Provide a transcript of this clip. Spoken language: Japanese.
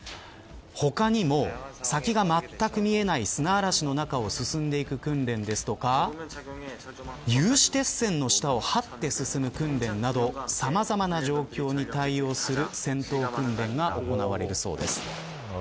他にも先がまったく見えない砂あらしの中を進む訓練だったり有刺鉄線の下をはって進む訓練などさまざまな状況に対応する戦闘訓練が行われるそうです。